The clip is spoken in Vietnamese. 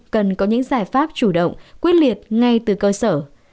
cần có những giải pháp chủ động quyết liệt ngay từ cơ sở